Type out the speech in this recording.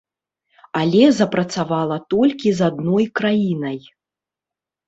Але запрацавала толькі з адной краінай.